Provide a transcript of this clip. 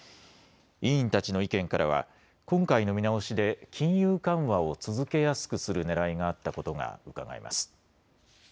委員たちの意見からは今回の見直しで金融緩和を続けやすくするねらいがあったことがうかがえます。